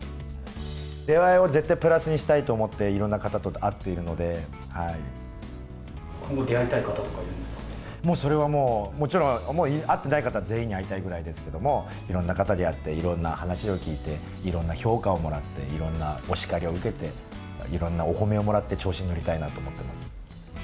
出会いを絶対プラスにしたいと思って、いろんな方と会ってい今後、出会いたい方とかいまそれはもちろん、会っていない方全員に会いたいぐらいですけれども、いろんな方に出会って、いろんな話を聞いていろんな評価をもらって、いろんなお叱りを受けて、いろんなお褒めをもらって調子に乗りたいなと思っています。